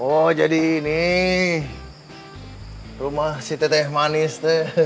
oh jadi ini rumah si teteh manis tuh